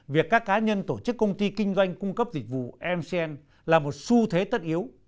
việc các cá nhân tổ chức công ty kinh doanh cung cấp dịch vụ mcn là một xu thế tất yếu